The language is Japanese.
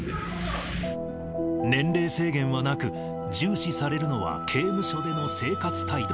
年齢制限はなく、重視されるのは、刑務所での生活態度。